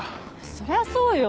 そりゃそうよ。